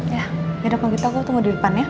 ya yaudah panggilan kita aku tunggu di depan ya